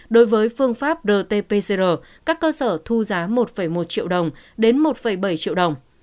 đối với phương pháp rt pcr các cơ sở thu giá một một triệu đồng đến một bảy triệu đồng